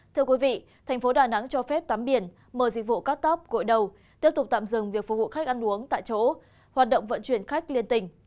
thưa quý vị tp đà nẵng cho phép tám biển mở dịch vụ cắt tóp gội đầu tiếp tục tạm dừng việc phục vụ khách ăn uống tại chỗ hoạt động vận chuyển khách liên tình